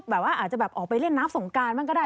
แบบว่าอาจจะแบบออกไปเล่นน้ำสงการบ้างก็ได้